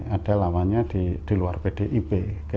ada lawannya di luar pdip